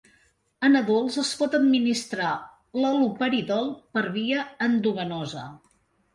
En adults es pot administrar l'haloperidol per via endovenosa.